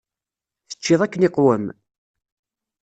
Teččiḍ akken iqwem?